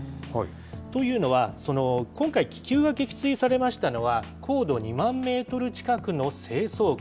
というのは、今回、気球が撃墜されましたのは、高度２万メートル近くの成層圏。